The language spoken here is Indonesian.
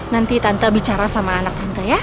nanti tante bicara sama anak tante ya